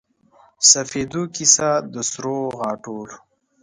سپیدو کیسه د سروغاټولو